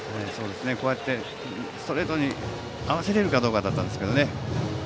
こうやってストレートに合わせられるかどうかだったんですけどね。